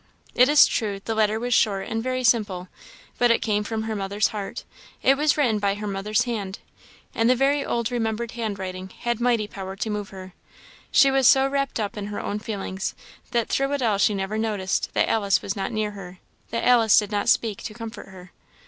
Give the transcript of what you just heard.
It is true, the letter was short and very simple; but it came from her mother's heart; it was written by her mother's hand; and the very old remembered hand writing had mighty power to move her. She was so wrapped up in her own feelings, that through it all she never noticed that Alice was not near her, that Alice did not speak to comfort her.